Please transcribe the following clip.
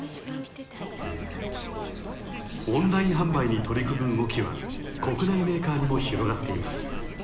オンライン販売に取り組む動きは国内メーカーにも広がっています。